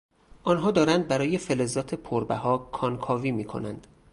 آنها دارند برای فلزات پربها کانکاوی می کنند.